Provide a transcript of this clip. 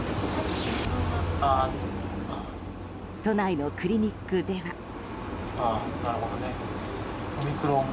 都内のクリニックでは。